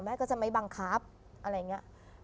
แม่ก็จะไม่บังคับอะไรอย่างนี้